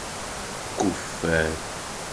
Kuffer.